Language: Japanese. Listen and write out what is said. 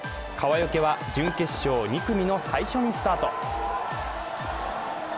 川除は準決勝、２組の最初のスタート。